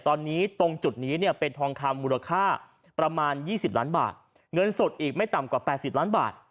ตอนนี้ตรงจุดนี้เนี่ยเป็นทองคำมูลค่าประมาณ๒๐ล้านบาทเงินสดอีกไม่ต่ำกว่า๘๐ล้านบาท